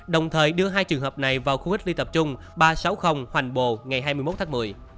đồng thời đưa hai trường hợp này vào khu cách ly tập trung ba trăm sáu mươi hoành bồ ngày hai mươi một tháng một mươi